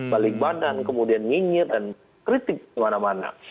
balik badan kemudian nyinyir dan kritik kemana mana